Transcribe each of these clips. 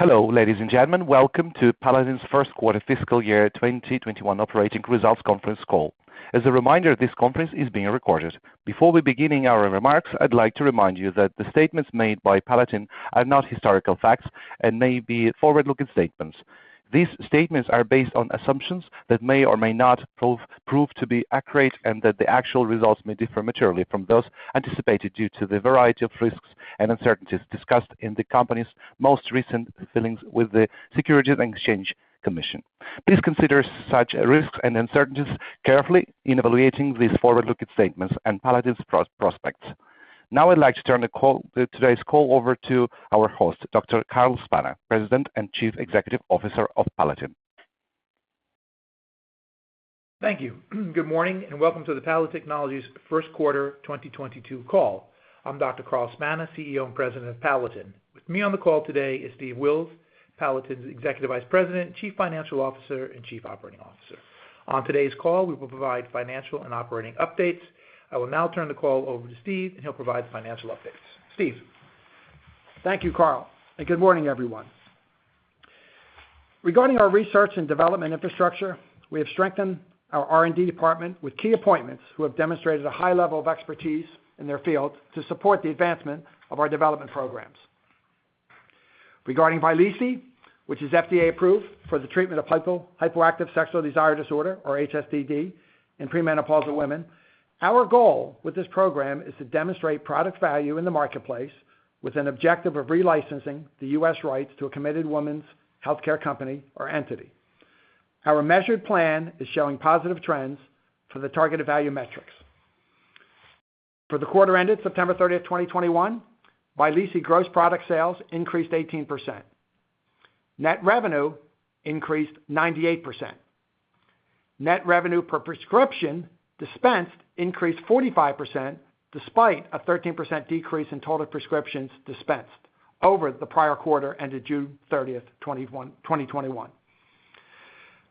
Hello, ladies and gentlemen. Welcome to Palatin's Q1 fiscal year 2021 operating results Conference Call. As a reminder, this conference is being recorded. Before we begin our remarks, I'd like to remind you that the statements made by Palatin are not historical facts and may be forward-looking statements. These statements are based on assumptions that may or may not prove to be accurate and that the actual results may differ materially from those anticipated due to the variety of risks and uncertainties discussed in the company's most recent filings with the Securities and Exchange Commission. Please consider such risks and uncertainties carefully in evaluating these forward-looking statements and Palatin's prospects. Now I'd like to turn today's call over to our host, Dr. Carl Spana, President and Chief Executive Officer of Palatin. Thank you. Good morning, and welcome to the Palatin Technologies Q1 2022 call. I'm Dr. Carl Spana, CEO and President of Palatin. With me on the call today is Steve Wills, Palatin's Executive Vice President, Chief Financial Officer, and Chief Operating Officer. On today's call, we will provide financial and operating updates. I will now turn the call over to Steve, and he'll provide the financial updates. Steve. Thank you, Carl, and good morning, everyone. Regarding our research and development infrastructure, we have strengthened our R&D department with key appointments who have demonstrated a high-level of expertise in their field to support the advancement of our development programs. Regarding Vyleesi, which is FDA approved for the treatment of hypoactive sexual desire disorder or HSDD in perimenopausal women, our goal with this program is to demonstrate product value in the marketplace with an objective of relicensing the U.S. rights to a committed woman's healthcare company or entity. Our measured plan is showing positive trends for the targeted value metrics. For the quarter ended September 30, 2021, Vyleesi gross product sales increased 18%. Net revenue increased 98%. Net revenue per prescription dispensed increased 45% despite a 13% decrease in total prescriptions dispensed over the prior-quarter ended June 30, 2021.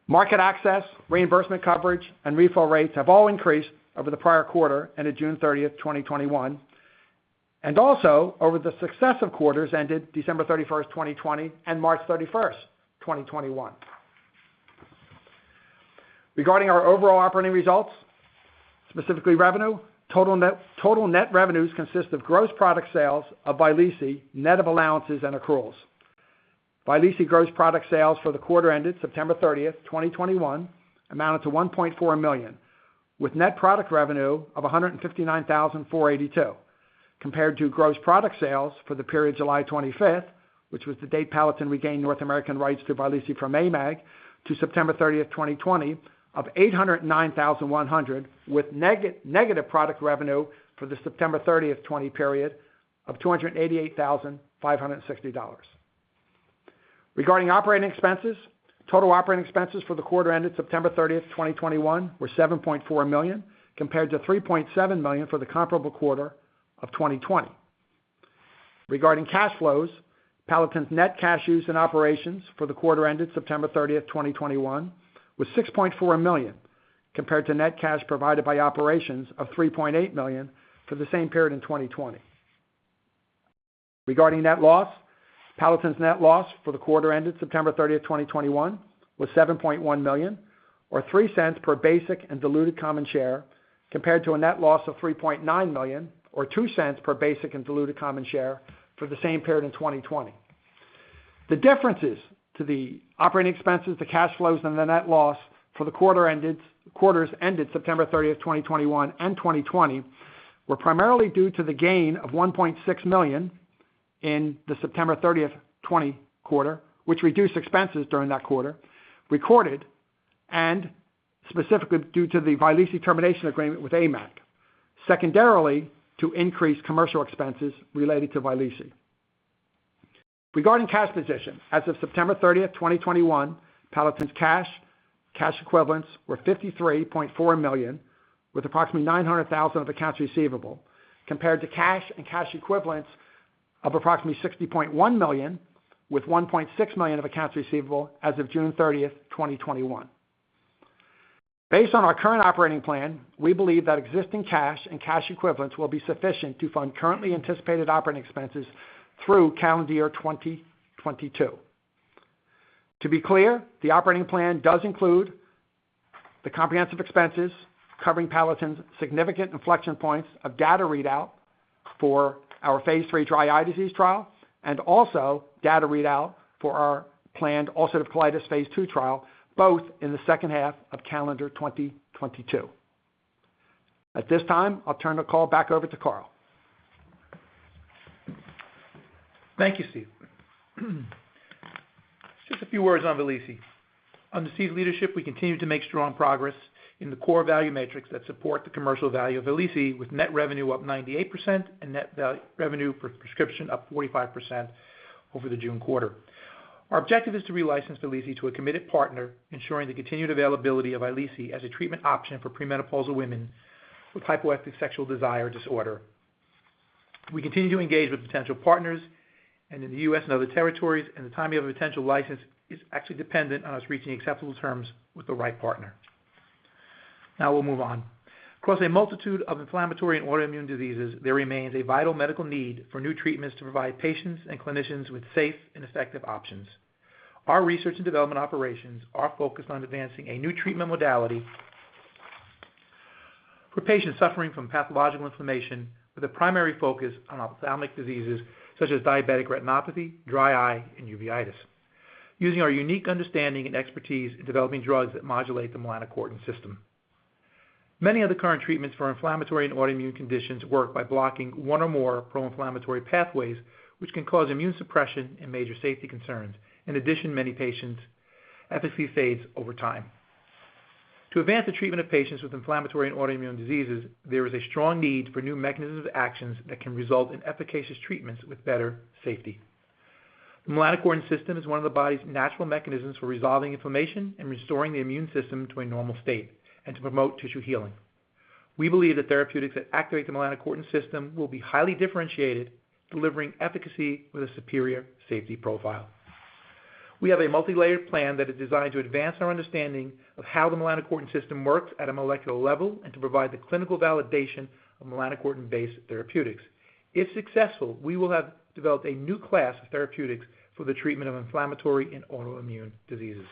Market access, reimbursement coverage, and refill rates have all increased over the prior-quarter ended June 30, 2021, and also over the successive quarters ended December 31, 2020, and March 31, 2021. Regarding our overall operating results, specifically revenue, total net revenues consist of gross product sales of Vyleesi, net of allowances and accruals. Vyleesi gross product sales for the quarter ended September 30, 2021, amounted to $1.4 million, with net product revenue of $159,482, compared to gross product sales for the period July 25, which was the date Palatin regained North American rights to Vyleesi from AMAG, to September 30, 2020, of $809,100, with negative product revenue for the September 30, 2020 period of $288,560. Regarding operating expenses, total operating expenses for the quarter ended September 30, 2021, were $7.4 million, compared to $3.7 million for the comparable quarter of 2020. Regarding cash flows, Palatin's net cash used in operations for the quarter ended September 30, 2021, was $6.4 million, compared to net cash provided by operations of $3.8 million for the same period in 2020. Regarding net loss, Palatin's net loss for the quarter ended September 30, 2021, was $7.1 million or $0.03 per basic and diluted common share, compared to a net loss of $3.9 million or $0.02 per basic and diluted common share for the same period in 2020. The differences to the operating expenses, the cash flows, and the net loss for the quarters ended September 30, 2021, and 2020 were primarily due to the gain of $1.6 million in the September 30, 2020 quarter, which reduced expenses during that quarter recorded, and specifically due to the Vyleesi termination agreement with AMAG. Secondarily, to increase commercial expenses-related to Vyleesi. Regarding cash position, as of September 30, 2021, Palatin's cash and cash equivalents were $53.4 million, with approximately $900,000 of accounts receivable, compared to cash and cash equivalents of approximately $60.1 million, with $1.6 million of accounts receivable as of June 30, 2021. Based on our current operating plan, we believe that existing cash and cash equivalents will be sufficient to fund currently anticipated operating expenses through calendar year 2022. To be clear, the operating plan does include the comprehensive expenses covering Palatin's significant inflection points of data readout for our phase III dry eye disease trial and also data readout for our planned ulcerative colitis phase II trial, both in the second half of calendar 2022. At this time, I'll turn the call back over to Carl. Thank you, Steve. Just a few words on Vyleesi. Under Steve's leadership, we continue to make strong progress in the core value metrics that support the commercial value of Vyleesi, with net revenue up 98% and net revenue per prescription up 45% over the June quarter. Our objective is to relicense Vyleesi to a committed partner, ensuring the continued availability of Vyleesi as a treatment option for premenopausal women with hypoactive sexual desire disorder. We continue to engage with potential partners and in the U.S. and other territories, and the timing of a potential license is actually dependent on us reaching acceptable terms with the right partner. Now we'll move on. Across a multitude of inflammatory and autoimmune diseases, there remains a vital medical need for new treatments to provide patients and clinicians with safe and effective options. Our research and development operations are focused on advancing a new treatment modality for patients suffering from pathological inflammation, with a primary focus on ophthalmic diseases such as diabetic retinopathy, dry eye and uveitis, using our unique understanding and expertise in developing drugs that modulate the melanocortin system. Many of the current treatments for inflammatory and autoimmune conditions work by blocking one or more pro-inflammatory pathways, which can cause immune suppression and major safety concerns. In addition, many patients efficacy fades over time. To advance the treatment of patients with inflammatory and autoimmune diseases, there is a strong need for new mechanisms of actions that can result in efficacious treatments with better safety. The melanocortin system is one of the body's natural mechanisms for resolving inflammation and restoring the immune system to a normal state and to promote tissue healing. We believe that therapeutics that activate the melanocortin system will be highly differentiated, delivering efficacy with a superior safety profile. We have a multilayered plan that is designed to advance our understanding of how the melanocortin system works at a molecular level and to provide the clinical validation of melanocortin-based therapeutics. If successful, we will have developed a new class of therapeutics for the treatment of inflammatory and autoimmune diseases.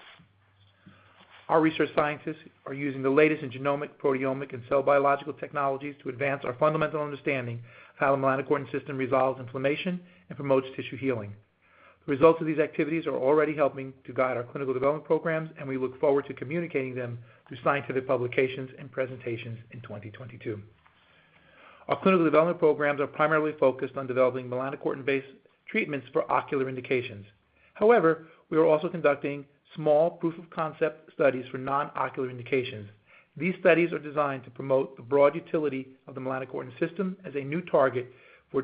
Our research scientists are using the latest in genomic, proteomic, and cell biological technologies to advance our fundamental understanding of how the melanocortin system resolves inflammation and promotes tissue healing. The results of these activities are already helping to guide our clinical development programs, and we look forward to communicating them through scientific publications and presentations in 2022. Our clinical development programs are primarily focused on developing melanocortin-based treatments for ocular indications. However, we are also conducting small proof of concept studies for non-ocular indications. These studies are designed to promote the broad utility of the melanocortin system as a new target for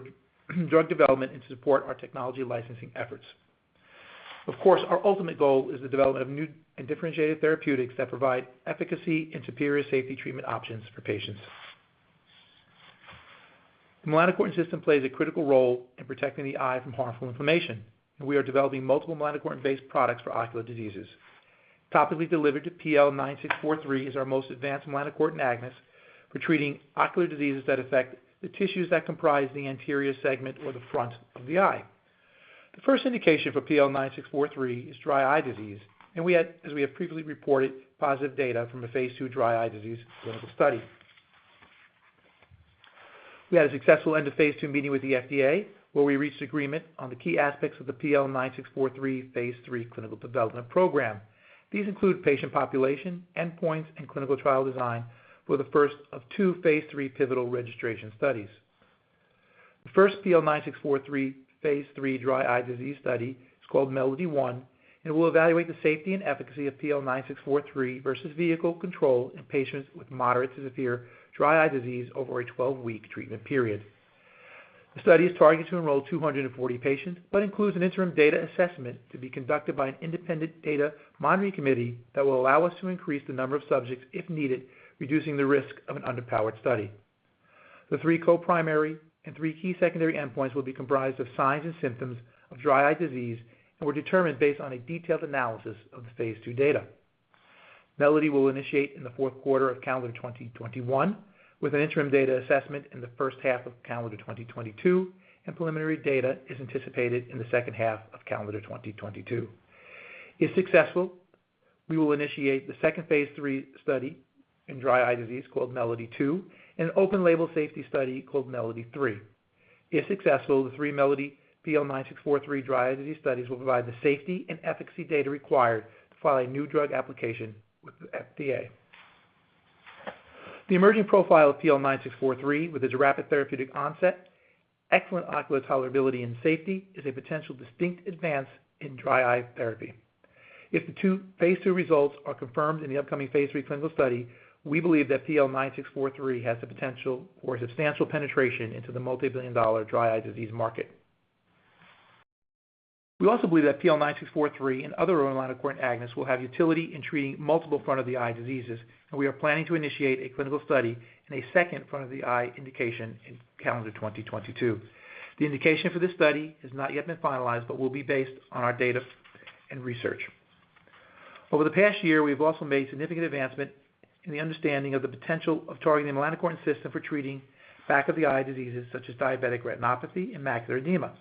drug development and to support our technology licensing efforts. Of course, our ultimate goal is the development of new and differentiated therapeutics that provide efficacy and superior safety treatment options for patients. The melanocortin system plays a critical role in protecting the eye from harmful inflammation, and we are developing multiple melanocortin-based products for ocular diseases. Topically delivered PL9643 is our most advanced melanocortin agonist for treating ocular diseases that affect the tissues that comprise the anterior segment or the front of the eye. The first indication for PL9643 is dry eye disease, and we had, as we have previously reported, positive data from a phase II dry eye disease clinical study. We had a successful end-of-phase II meeting with the FDA, where we reached agreement on the key aspects of the PL9643 phase III clinical development program. These include patient population, endpoints, and clinical trial design for the first of two phase III pivotal registration studies. The first PL9643 phase III dry eye disease study is called MELODY-1, and it will evaluate the safety and efficacy of PL9643 versus vehicle control in patients with moderate to severe dry eye disease over a 12-week treatment period. The study is targeted to enroll 240 patients, but includes an interim data assessment to be conducted by an independent data monitoring committee that will allow us to increase the number of subjects if needed, reducing the risk of an underpowered study. The three co-primary and three key secondary endpoints will be comprised of signs and symptoms of dry eye disease and were determined based on a detailed analysis of the phase II data. MELODY will initiate in Q4 of calendar 2021, with an interim data assessment in the first half of calendar 2022, and preliminary data is anticipated in the second half of calendar 2022. If successful, we will initiate the second phase III study in dry eye disease, called MELODY-2, and an open-label safety study called MELODY-3. If successful, the three MELODY PL9643 dry eye disease studies will provide the safety and efficacy data required to file a New Drug Application with the FDA. The emerging profile of PL9643, with its rapid therapeutic onset, excellent ocular tolerability, and safety, is a potential distinct advance in dry eye therapy. If the two phase II results are confirmed in the upcoming phase III clinical study, we believe that PL9643 has the potential for substantial penetration into the multibillion-dollar dry eye disease market. We also believe that PL9643 and other melanocortin agonists will have utility in treating multiple front of the eye diseases, and we are planning to initiate a clinical study in a second front of the eye indication in calendar 2022. The indication for this study has not yet been finalized, but will be based on our data and research. Over the past year, we have also made significant advancement in the understanding of the potential of targeting the melanocortin system for treating back of the eye diseases, such as diabetic retinopathy and macular edema.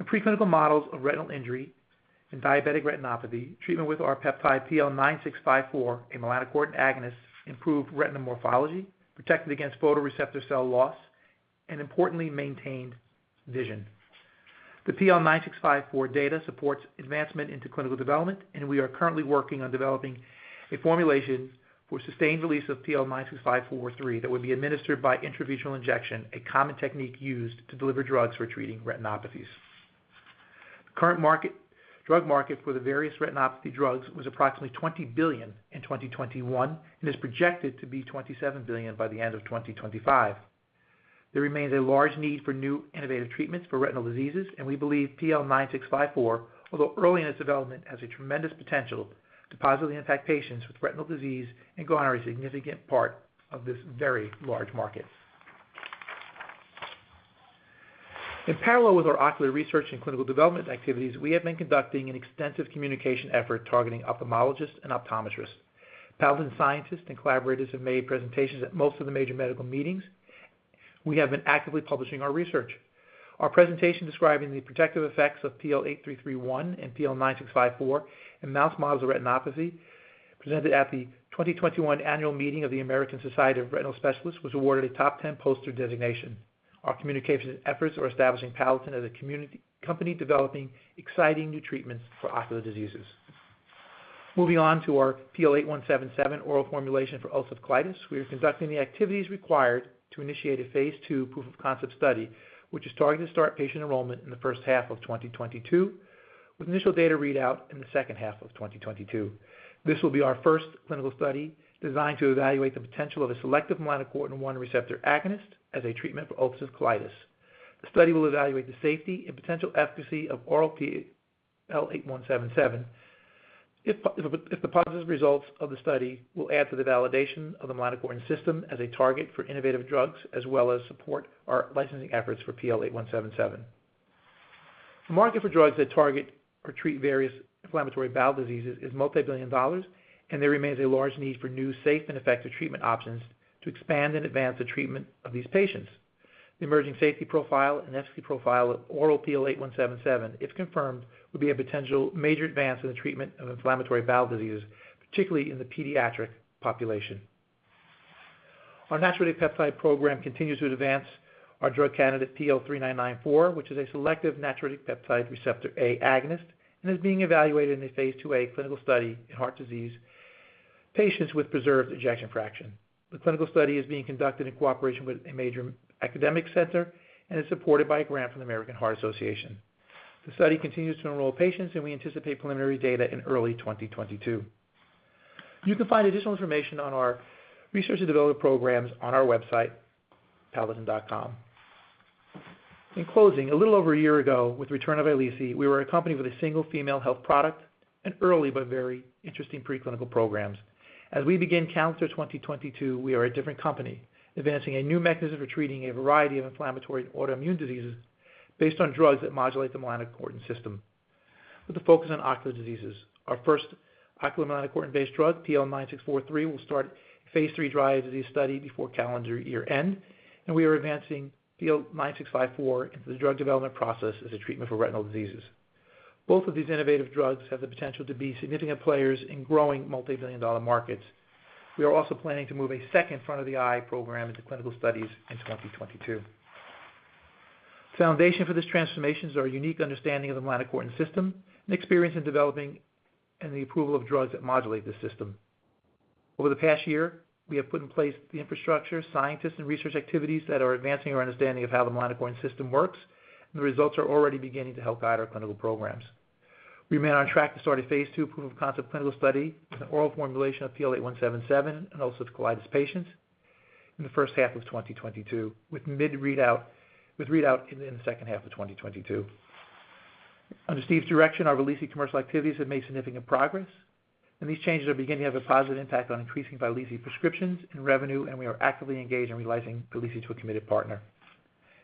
In preclinical models of retinal injury and diabetic retinopathy, treatment with our peptide PL9654, a melanocortin agonist, improved retinal morphology, protected against photoreceptor cell loss, and importantly, maintained vision. The PL9654 data supports advancement into clinical development, and we are currently working on developing a formulation for sustained release of PL9654 that would be administered by intravitreal injection, a common technique used to deliver drugs for treating retinopathies. The current drug market for the various retinopathy drugs was approximately $20 billion in 2021 and is projected to be $27 billion by the end of 2025. There remains a large need for new innovative treatments for retinal diseases, and we believe PL9654, although early in its development, has a tremendous potential to positively impact patients with retinal disease and grow on our significant part of this very large market. In parallel with our ocular research and clinical development activities, we have been conducting an extensive communication effort targeting ophthalmologists and optometrists. Palatin scientists and collaborators have made presentations at most of the major medical meetings. We have been actively publishing our research. Our presentation describing the protective effects of PL8331 and PL9654 in mouse models of retinopathy, presented at the 2021 annual meeting of the American Society of Retina Specialists, was awarded a top 10 poster designation. Our communication efforts are establishing Palatin as a community company developing exciting new treatments for ocular diseases. Moving on to our PL8177 oral formulation for ulcerative colitis, we are conducting the activities required to initiate a phase II proof of concept study, which is targeting to start patient enrollment in the first half of 2022, with initial data readout in the second half of 2022. This will be our first clinical study designed to evaluate the potential of a selective melanocortin 1 receptor agonist as a treatment for ulcerative colitis. The study will evaluate the safety and potential efficacy of oral PL8177. If the positive results of the study will add to the validation of the melanocortin system as a target for innovative drugs, as well as support our licensing efforts for PL8177. The market for drugs that target or treat various inflammatory bowel diseases is a $ multi-billion-dollar market, and there remains a large need for new safe and effective treatment options to expand and advance the treatment of these patients. The emerging safety profile and efficacy profile of oral PL8177, if confirmed, would be a potential major advance in the treatment of inflammatory bowel disease, particularly in the pediatric population. Our natriuretic peptide program continues to advance our drug candidate, PL3994, which is a selective natriuretic peptide receptor-A agonist and is being evaluated in a phase IIa clinical study in heart disease patients with preserved ejection fraction. The clinical study is being conducted in cooperation with a major academic center and is supported by a grant from the American Heart Association. The study continues to enroll patients, and we anticipate preliminary data in early 2022. You can find additional information on our research and development programs on our website, palatin.com. In closing, a little over a year ago, with return of Vyleesi, we were a company with a single female health product and early but very interesting preclinical programs. As we begin calendar 2022, we are a different company, advancing a new mechanism for treating a variety of inflammatory and autoimmune diseases based on drugs that modulate the melanocortin system with a focus on ocular diseases. Our first ocular melanocortin-based drug, PL9643, will start phase III dry eye disease study before calendar year end, and we are advancing PL9654 into the drug development process as a treatment for retinal diseases. Both of these innovative drugs have the potential to be significant players in growing multi-billion-dollar markets. We are also planning to move a second front of the eye program into clinical studies in 2022. The foundation for this transformation is a unique understanding of the melanocortin system and experience in developing and the approval of drugs that modulate the system. Over the past year, we have put in place the infrastructure, scientists, and research activities that are advancing our understanding of how the melanocortin system works, and the results are already beginning to help guide our clinical programs. We remain on track to start a phase II proof of concept clinical study with an oral formulation of PL8177 in ulcerative colitis patients in the first half of 2022, with readout in the second half of 2022. Under Steve's direction, our Vyleesi commercial activities have made significant progress, and these changes are beginning to have a positive impact on increasing Vyleesi prescriptions and revenue, and we are actively engaged in licensing Vyleesi to a committed partner.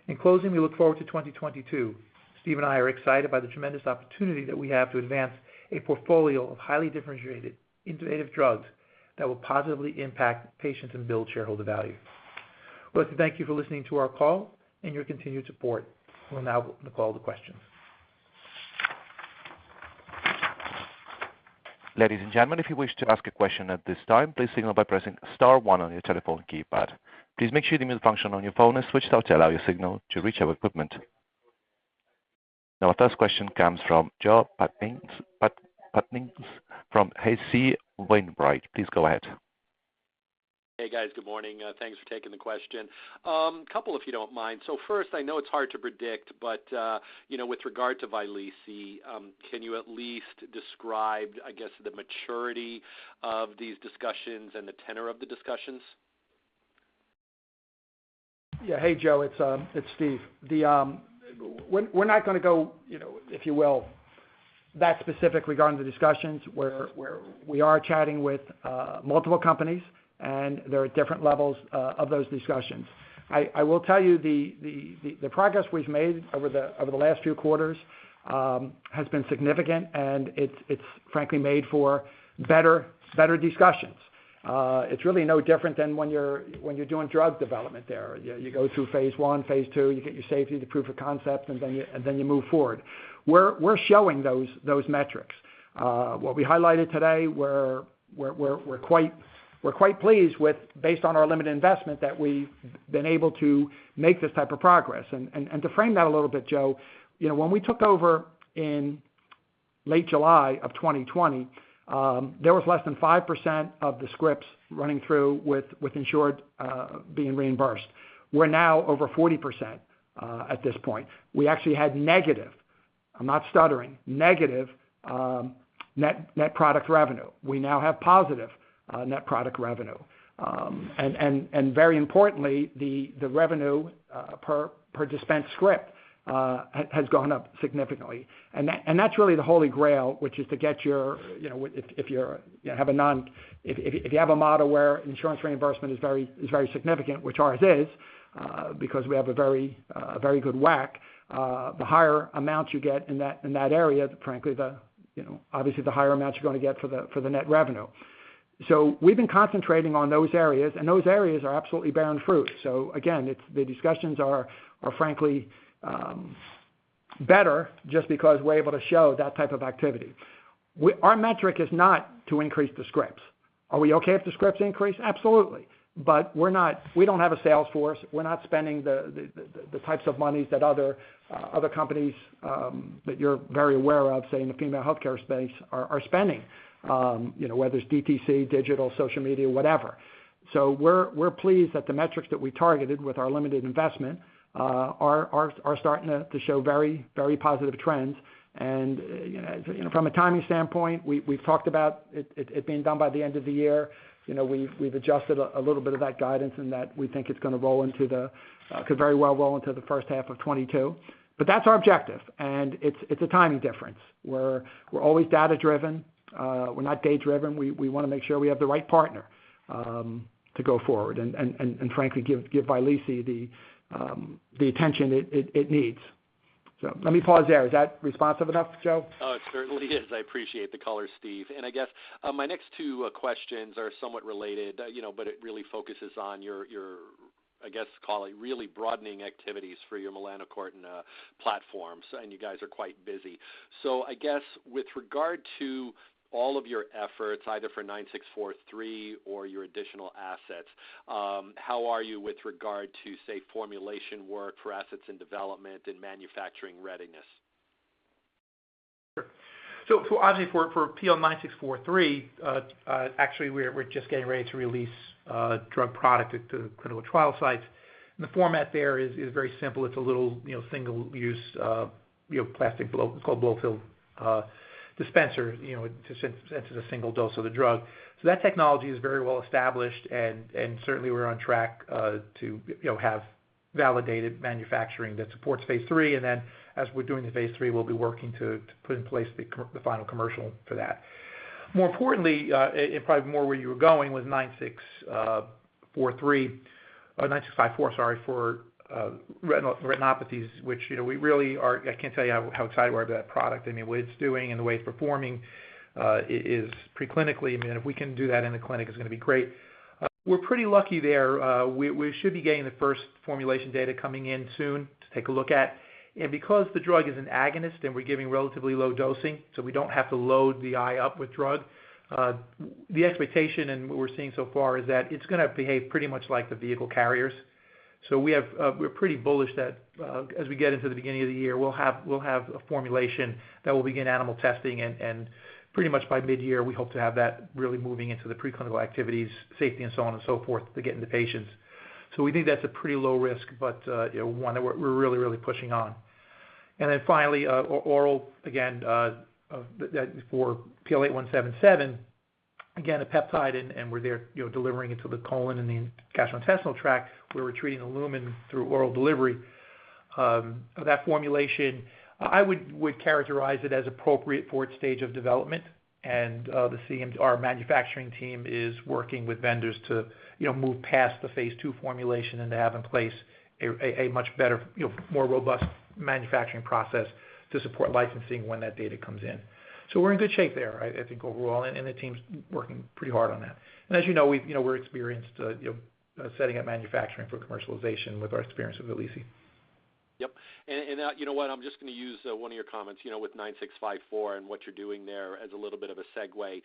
In closing, we look forward to 2022. Steve and I are excited by the tremendous opportunity that we have to advance a portfolio of highly differentiated innovative drugs that will positively impact patients and build shareholder value. We'd like to thank you for listening to our call and your continued support. We'll now open the call to questions. Ladies and gentlemen, if you wish to ask a question at this time, please signal by pressing star one on your telephone keypad. Please make sure the mute function on your phone is switched off to allow your signal to reach our equipment. Now our first question comes from Joe Pantginis from H.C. Wainwright. Please go ahead. Hey, guys. Good morning. Thanks for taking the question. A couple, if you don't mind. First, I know it's hard to predict, but, you know, with regard to Vyleesi, can you at least describe, I guess, the maturity of these discussions and the tenor of the discussions? Yeah. Hey, Joe, it's Steve. We're not gonna go, you know, if you will, that specific regarding the discussions. We are chatting with multiple companies, and there are different levels of those discussions. I will tell you the progress we've made over the last few quarters has been significant and it's frankly made for better discussions. It's really no different than when you're doing drug development there. You go through phase I, phase II, you get your safety, the proof of concept, and then you move forward. We're showing those metrics. What we highlighted today, we're quite pleased with, based on our limited investment, that we've been able to make this type of progress. To frame that a little bit, Joe, you know, when we took over in late July of 2020, there was less than 5% of the scripts running through with insured being reimbursed. We're now over 40% at this point. We actually had negative, I'm not stuttering, negative net product revenue. We now have positive net product revenue. Very importantly, the revenue per dispensed script has gone up significantly. That's really the holy grail, which is to get your... You know, if you have a model where insurance reimbursement is very significant, which ours is, because we have a very good WAC, the higher amounts you get in that area, frankly, you know, obviously the higher amounts you're gonna get for the net revenue. We've been concentrating on those areas, and those areas are absolutely bearing fruit. Again, it's the discussions are frankly better just because we're able to show that type of activity. Our metric is not to increase the scripts. Are we okay if the scripts increase? Absolutely. We're not—we don't have a sales force. We're not spending the types of monies that other companies that you're very aware of, say, in the female healthcare space are spending, you know, whether it's DTC, digital, social media, whatever. We're pleased that the metrics that we targeted with our limited investment are starting to show very positive trends. You know, from a timing standpoint, we've talked about it being done by the end of the year. You know, we've adjusted a little bit of that guidance in that we think it could very well roll into the first half of 2022. That's our objective, and it's a timing difference. We're always data-driven, we're not date-driven. We wanna make sure we have the right partner, and frankly, give Vyleesi the attention it needs. Let me pause there. Is that responsive enough, Joe? Oh, it certainly is. I appreciate the color, Steve. I guess my next two questions are somewhat related, you know, but it really focuses on your, I guess, call it, really broadening activities for your melanocortin platforms, and you guys are quite busy. I guess with regard to all of your efforts, either for nine six four three or your additional assets, how are you with regard to, say, formulation work for assets and development and manufacturing readiness? Sure. Obviously for PL9643, actually we're just getting ready to release drug product to clinical trial sites. The format there is very simple. It's a little single-use plastic blow-fill-seal dispenser to send the single dose of the drug. That technology is very well- established and certainly we're on track to have validated manufacturing that supports phase III. Then as we're doing the phase III, we'll be working to put in place the final commercial for that. More importantly, probably more where you were going with 9643. 9654, sorry, for retinopathies, which we really are. I can't tell you how excited we're about that product. I mean, what it's doing and the way it's performing is preclinically. I mean, if we can do that in the clinic, it's gonna be great. We're pretty lucky there. We should be getting the first formulation data coming in soon to take a look at. Because the drug is an agonist and we're giving relatively low dosing, so we don't have to load the eye up with drug, the expectation and what we're seeing so far is that it's gonna behave pretty much like the vehicle carriers. We're pretty bullish that, as we get into the beginning of the year, we'll have a formulation that will begin animal testing. Pretty much by mid-year, we hope to have that really moving into the preclinical activities, safety and so on and so forth to getting to patients. We think that's a pretty low risk, but you know, one that we're really pushing on. Then finally, oral again, that for PL8177, again, a peptide, and we're there you know, delivering it to the colon and the gastrointestinal tract. We're treating the lumen through oral delivery of that formulation. I would characterize it as appropriate for its stage of development. The CMO, our manufacturing team is working with vendors to you know, move past the phase II formulation and to have in place a much better you know, more robust manufacturing process to support licensing when that data comes in. We're in good shape there, I think overall, and the team's working pretty hard on that. As you know, we've, you know, we're experienced, you know, setting up manufacturing for commercialization with our experience with Vyleesi. Yep. You know what, I'm just gonna use one of your comments, you know, with PL9654 and what you're doing there as a little bit of a segue,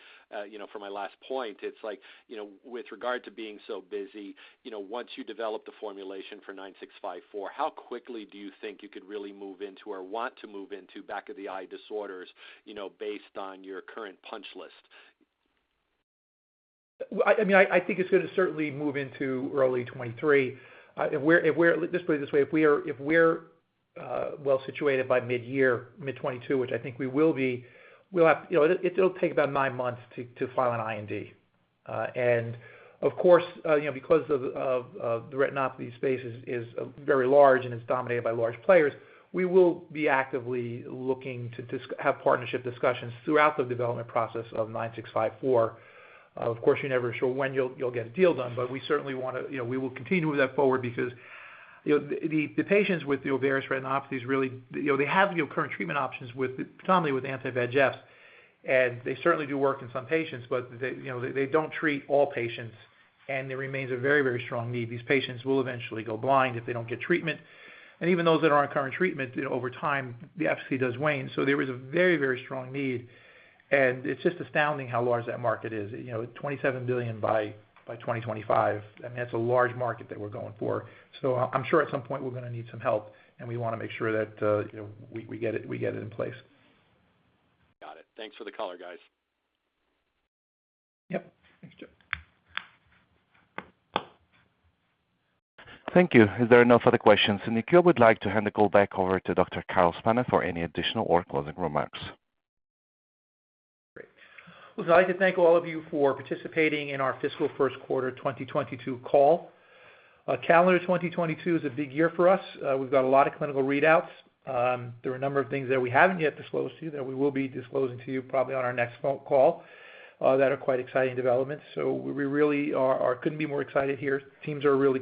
you know, for my last point. It's like, you know, with regard to being so busy, you know, once you develop the formulation for PL9654, how quickly do you think you could really move into or want to move into back of the eye disorders, you know, based on your current punch list? Well, I mean, I think it's gonna certainly move into early 2023. If we're... Let's put it this way. If we are well-situated by mid-year, mid-2022, which I think we will be, we'll have. You know, it'll take about nine months to file an IND. Of course, you know, because of the retinopathy space is very large and it's dominated by large players, we will be actively looking to have partnership discussions throughout the development process of PL9654. Of course, you're never sure when you'll get a deal done, but we certainly wanna. You know, we will continue to move that forward because, you know, the patients with the various retinopathies really, they have current treatment options with, predominantly with anti-VEGFs. They certainly do work in some patients, but they, you know, they don't treat all patients, and there remains a very, very strong need. These patients will eventually go blind if they don't get treatment. Even those that are on current treatment, you know, over time, the efficacy does wane. There is a very, very strong need, and it's just astounding how large that market is. You know, $27 billion by 2025. I mean, that's a large market that we're going for. I'm sure at some point we're gonna need some help, and we wanna make sure that, you know, we get it in place. Got it. Thanks for the color, guys. Yep. Thanks, Joe. Thank you. Is there any other questions? Nikhil would like to hand the call back over to Dr. Carl Spana for any additional or closing remarks. Great. Listen, I'd like to thank all of you for participating in our fiscal Q1 2022 call. Calendar 2022 is a big year for us. We've got a lot of clinical readouts. There are a number of things that we haven't yet disclosed to you that we will be disclosing to you probably on our next phone call that are quite exciting developments. We really couldn't be more excited here. Teams are really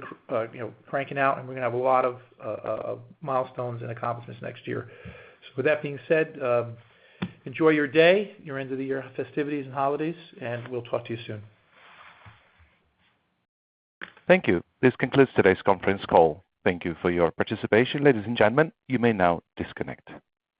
you know, cranking out, and we're gonna have a lot of milestones and accomplishments next year. With that being said, enjoy your day, your end of the year festivities and holidays, and we'll talk to you soon. Thank you. This concludes today's Conference Call. Thank you for your participation. Ladies and gentlemen, you may now disconnect.